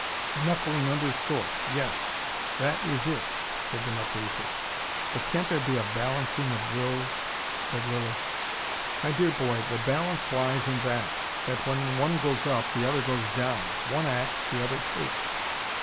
"Knuckling under sort. Yes. That is it," said the Marchese. "But can't there be a balancing of wills?" said Lilly. "My dear boy, the balance lies in that, that when one goes up, the other goes down. One acts, the other takes.